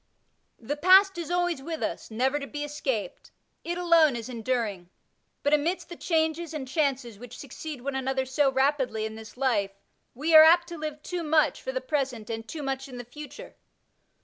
The past is always with us, never to be escaped; it alone is enduring ; but, amidst the changes and chances which succeed one another so rapidly in this life, we are apt to live too much for the present and too much in the future.